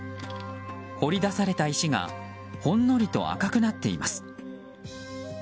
掘り出された石がほんのりと赤くなっています。